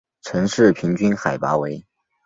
城市平均海拔为。